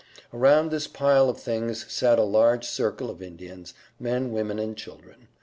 Around this pile of things sat a large circle of Indians, men, women and children.